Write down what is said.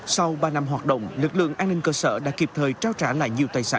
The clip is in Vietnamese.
sau ba năm hoạt động lực lượng an ninh cơ sở đã kịp thời trao trả lại nhiều tài sản